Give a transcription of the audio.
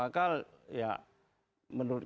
akal ya menurut